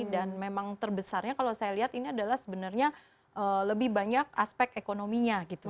dan memang terbesarnya kalau saya lihat ini adalah sebenarnya lebih banyak aspek ekonominya gitu ya